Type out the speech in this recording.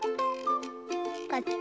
こっち？